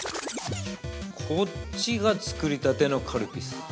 ◆こっちが作りたてのカルピス。